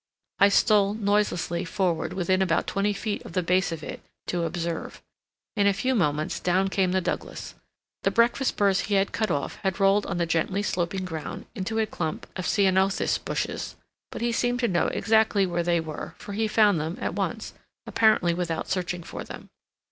I stole noiselessly forward within about twenty feet of the base of it to observe. In a few moments down came the Douglas. The breakfast burs he had cut off had rolled on the gently sloping ground into a clump of ceanothus bushes, but he seemed to know exactly where they were, for he found them at once, apparently without searching for them.